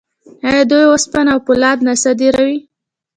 آیا دوی وسپنه او فولاد نه صادروي؟